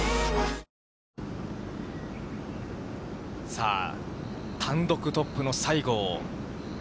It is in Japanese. さあ、単独トップの西郷。